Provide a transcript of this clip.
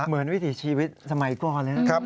วิถีชีวิตสมัยก่อนเลยนะครับ